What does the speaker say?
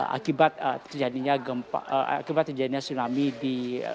akibat terjadinya tsunami di